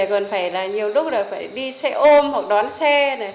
còn nhiều lúc là phải đi xe ôm hoặc đón xe